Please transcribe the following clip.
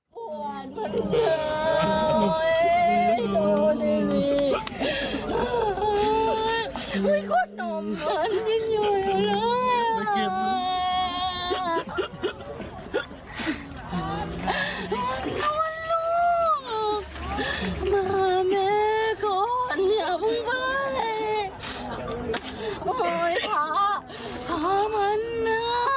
เจอก่อนอย่าพุ่งไปพามันนะ